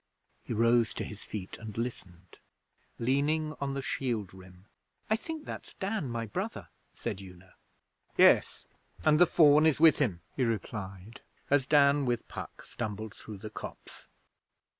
He rose to his feet and listened, leaning on the shield rim. 'I think that's Dan my brother,' said Una. 'Yes; and the Faun is with him,' he replied, as Dan with Puck stumbled through the copse.